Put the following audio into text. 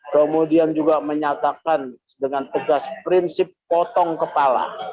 kemudian juga menyatakan dengan tegas prinsip potong kepala